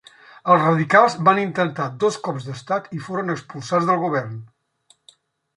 Els radicals van intentar dos cops d'estat i foren expulsats del govern.